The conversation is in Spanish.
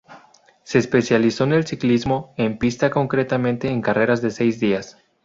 Se especializó en el ciclismo en pista concretamente en carreras de seis días.